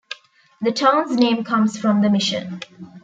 The town's name comes from the mission.